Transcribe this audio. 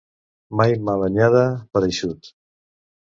Mai mala anyada per eixut.